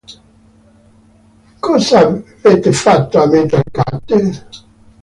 Cosa avete fatto a Metal Carter?